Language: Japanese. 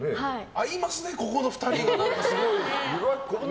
合いますね、ここの２人。